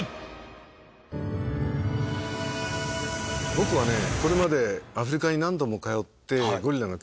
僕はこれまでアフリカに何度も通って。